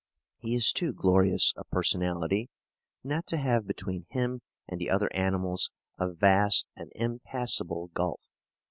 He is too glorious a personality not to have between him and the other animals a vast and impassable gulf.